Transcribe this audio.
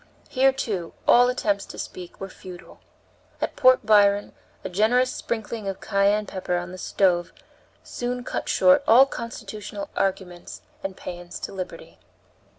Here, too, all attempts to speak were futile. At Port Byron a generous sprinkling of cayenne pepper on the stove soon cut short all constitutional arguments and paeans to liberty.